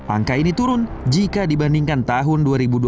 angka ini turun jika dibandingkan tahun dua ribu dua puluh